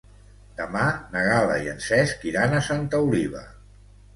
Demà na Gal·la i en Cesc iran a Santa Oliva.